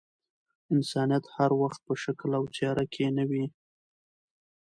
انسانيت هر وخت په شکل او څهره کي نه وي.